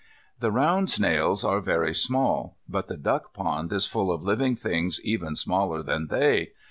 These round snails are very small, but the duck pond is full of living things even smaller than they.